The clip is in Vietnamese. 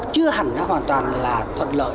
chưa hẳn hoàn toàn là thuận lợi